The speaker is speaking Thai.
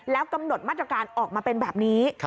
แล้วกำหนดมาตรการออกมาเป็นแบบนี้